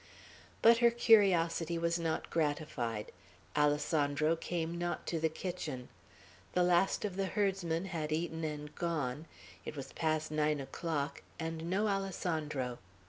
But her curiosity was not gratified. Alessandro came not to the kitchen. The last of the herdsmen had eaten and gone; it was past nine o'clock, and no Alessandro.